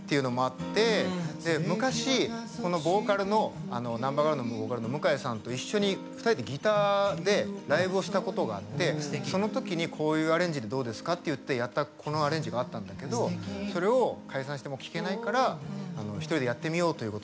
昔このボーカルのナンバーガールのボーカルの向井さんと一緒に２人でギターでライブをしたことがあってその時にこういうアレンジでどうですか？って言ってやったこのアレンジがあったんだけどそれを解散してもう聴けないから一人でやってみようということで。